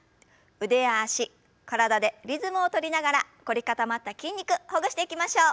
腕や脚体でリズムを取りながら凝り固まった筋肉ほぐしていきましょう。